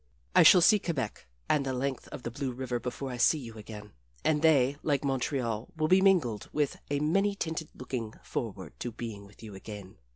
I shall see Quebec and the length of the blue river before I see you again, and they, like Montreal, will be mingled with a many tinted looking forward to being with you again.